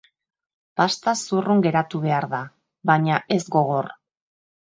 Pasta zurrun geratu behar da, baina ez gogor.